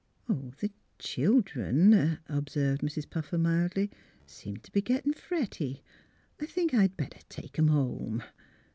" The children," observed Mrs. Puffer, mildly, " seem t' be getting fretty. I think I'd better take 'em home."